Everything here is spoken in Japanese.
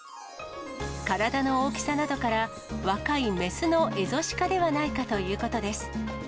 体の大きさなどから、若い雌のエゾシカではないかということです。